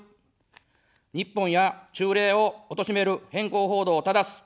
日本や忠霊をおとしめる偏向報道をただす。